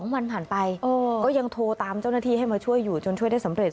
๒วันผ่านไปก็ยังโทรตามเจ้าหน้าที่ให้มาช่วยอยู่จนช่วยได้สำเร็จ